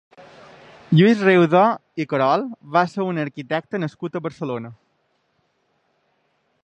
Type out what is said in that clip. Lluís Riudor i Carol va ser un arquitecte nascut a Barcelona.